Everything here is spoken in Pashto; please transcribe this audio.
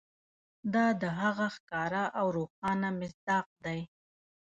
دا د هغه ښکاره او روښانه مصداق دی.